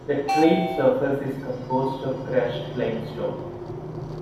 The trail surface is composed of crushed limestone.